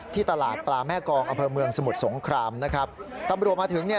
ที่ตลาดปลาแม่กองอำเภอเมืองสมุทรสงครามนะครับตำรวจมาถึงเนี่ย